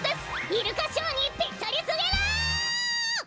イルカショーにぴったりすぎる！